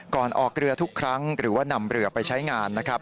ออกเรือทุกครั้งหรือว่านำเรือไปใช้งานนะครับ